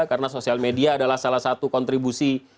karena sosial media adalah salah satu kontribusi